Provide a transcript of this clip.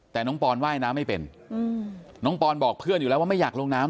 แต่น้องปอนว่ายน้ำไม่เป็นน้องปอนบอกเพื่อนอยู่แล้วว่าไม่อยากลงน้ำ